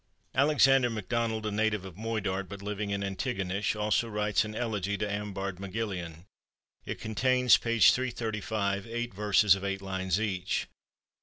APPENDIX. Alexander MacDonald, a native of Moidart, but living in Antigonish, also writes an elegy to Am Bard MacGilleain. It contains (p. 335) eight verses of eight lines each.